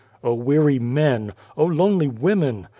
O weary men ! O lonely women